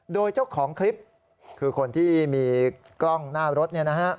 โดยเจ้าของคลิปคือคนที่มีกล้องหน้ารถ